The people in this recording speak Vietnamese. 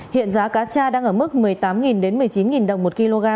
hiện giá cá tra đang ở mức một mươi tám một mươi chín đồng một kg